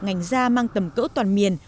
ngành da mang tầm cỡ toàn miền